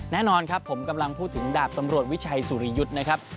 แน่นอนครับผมกำลังพูดถึงดาบตำรวจวิชัยสุริยุทธ์นะครับ